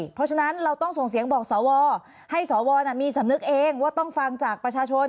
เพราะฉะนั้นเราต้องส่งเสียงบอกสวให้สวมีสำนึกเองว่าต้องฟังจากประชาชน